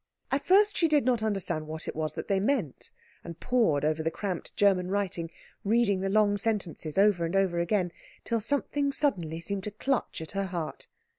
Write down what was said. At first she did not understand what it was that they meant, and pored over the cramped German writing, reading the long sentences over and over again, till something suddenly seemed to clutch at her heart.